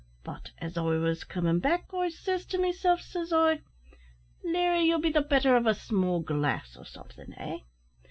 But as I was comin' back, I says to myself, says I, `Larry, ye'll be the better of a small glass o' somethin' eh!'